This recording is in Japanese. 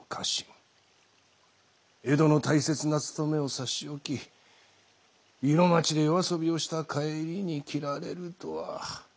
江戸の大切な勤めを差し置き色街で夜遊びをした帰りに斬られるとは。